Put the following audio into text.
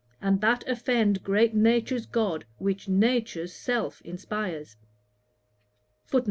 And that offend great Nature's GOD, Which Nature's self inspires?'